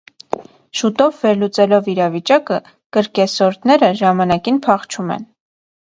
Շուտով վելուծելով իրավիճակը՝ կրկեսորդները ժամանակին փախչում են։